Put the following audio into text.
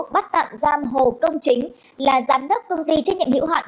bắt tặng giam hồ công chính là giám đốc công ty trách nhiệm hữu hoạn